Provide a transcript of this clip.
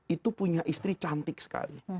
itu punya istri cantik sekali